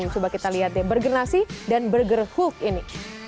coba kita lihat ya burger nasi dan burger hulk ini